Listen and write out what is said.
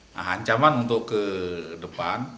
nah ancaman untuk ke depan